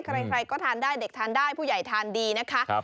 ใครก็ทานได้เด็กทานได้ผู้ใหญ่ทานดีนะคะ